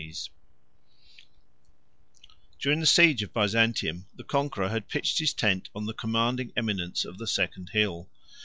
] During the siege of Byzantium, the conqueror had pitched his tent on the commanding eminence of the second hill.